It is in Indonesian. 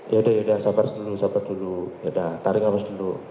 yaudah sabar dulu sabar dulu tarik abis dulu